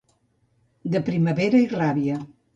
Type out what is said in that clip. De primavera i ràbia.